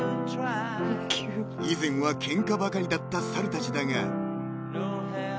［以前はケンカばかりだった猿たちだが］